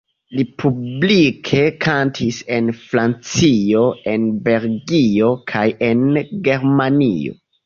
Li publike kantis en Francio, en Belgio kaj en Germanio.